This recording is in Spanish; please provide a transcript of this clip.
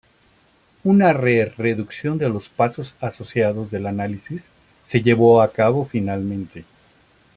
Una re-reducción de los pasos asociados del análisis se llevó a cabo finalmente.